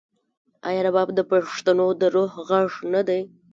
آیا رباب د پښتنو د روح غږ نه دی؟